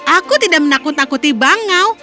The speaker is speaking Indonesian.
aku tidak menakut takuti bangau